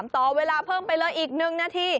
ต่อเวลาเพิ่มไปเลยอีก๑นาที